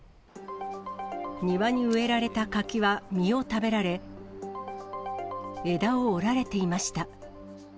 庭に植えられた柿は実を食べられ、枝を折られていました。